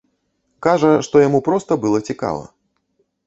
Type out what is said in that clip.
Кажа, што яму проста была цікава.